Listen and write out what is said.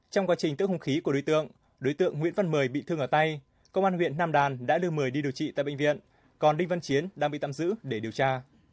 trong quá trình tức hùng khí của đối tượng đối tượng nguyễn văn mười bị thương ở tay công an huyện nam đàn đã đưa mời đi điều trị tại bệnh viện còn đinh văn chiến đang bị tạm giữ để điều tra